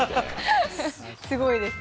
すごいです。